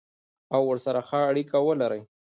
او ورسره ښه اړیکه ولري.